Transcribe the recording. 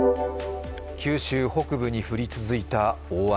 九州北部に降り続いた大雨。